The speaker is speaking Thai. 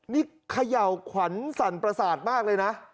นี่เขย่าขวัญสั่นประสาทมากเลยนะ